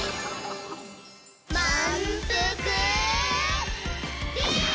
まんぷくビーム！